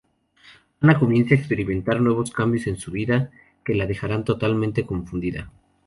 Ana comienza a experimentar nuevos cambios en su vida, que la dejarán totalmente confundida.